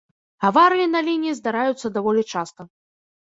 Аварыі на лініі здараюцца даволі часта.